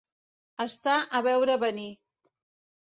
Estar a veure venir.